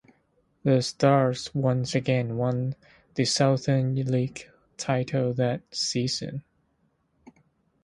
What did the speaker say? The Stars once again won the Southern League title that season.